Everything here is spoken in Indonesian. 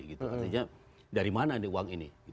artinya dari mana uang ini